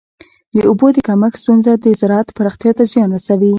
د اوبو د کمښت ستونزه د زراعت پراختیا ته زیان رسوي.